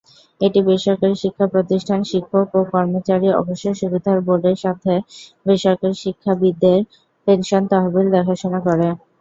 এটি বেসরকারী শিক্ষা প্রতিষ্ঠান শিক্ষক ও কর্মচারী অবসর সুবিধা বোর্ডের সাথে বেসরকারী শিক্ষাবিদদের পেনশন তহবিল দেখাশোনা করে।